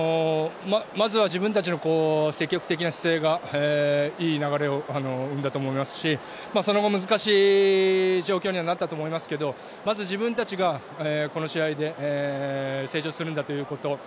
まずは自分たちの積極的な姿勢がいい流れを生んだと思いますしその後、難しい状況にはなったと思いますけどまず自分たちが、この試合で成長するんだということ